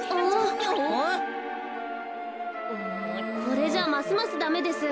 これじゃますますダメです。